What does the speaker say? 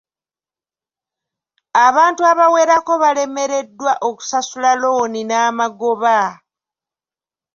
Abantu abawerako balemereddwa okusasula looni n'amagoba.